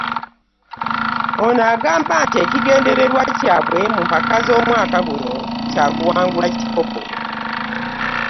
Ono agamba nti ekigendererwa kyabwe mu mpaka z'omwaka guno, kya kuwangula kikopo